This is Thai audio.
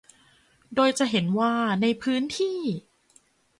โดยจะเห็นว่าในพื้นที่